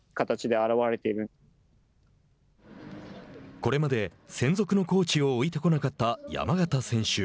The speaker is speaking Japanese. これまで専属のコーチを置いてこなかった山縣選手。